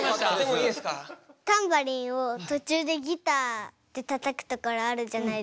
タンバリンを途中でギターでたたくところあるじゃないですか。